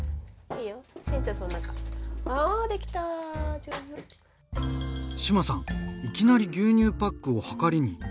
いきなり牛乳パックをはかりに。